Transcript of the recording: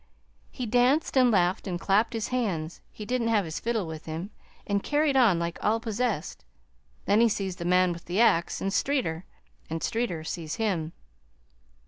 He danced and laughed and clapped his hands, he didn't have his fiddle with him, an' carried on like all possessed. Then he sees the man with the axe, an' Streeter an' Streeter sees him.